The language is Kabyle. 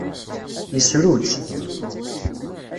Yessru-tt.